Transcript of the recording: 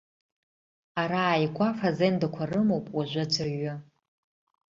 Ара ааигәа афазендақәа рымоуп уажәы аӡәырҩы.